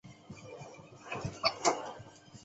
此自由球源自利物浦左后卫查奥尔的不必要犯规。